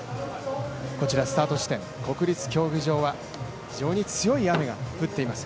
こちらスタート地点、国立競技場は非常に強い雨が降っています。